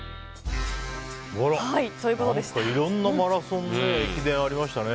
いろんなマラソンや駅伝がありましたね。